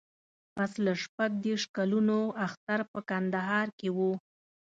پسله شپږ دیرشو کالو اختر په کندهار کې و.